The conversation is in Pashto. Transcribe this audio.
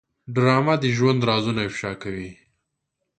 ډرامه د ژوند رازونه افشا کوي